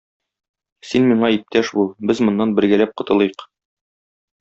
Син миңа иптәш бул, без моннан бергәләп котылыйк.